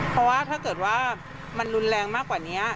เพราะว่าถ้าเกิดว่ามันรุนแรงมากกว่านี้